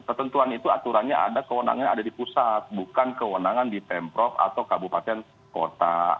ketentuan itu aturannya ada kewenangannya ada di pusat bukan kewenangan di pemprov atau kabupaten kota